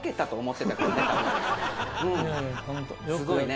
すごいね。